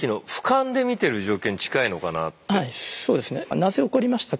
なぜ怒りましたか？